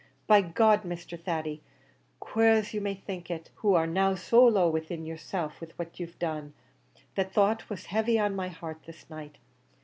By G d, Mr. Thady, quare as you may think it, who are now so low within yerself with what you've done, that thought was heavy on my heart this night.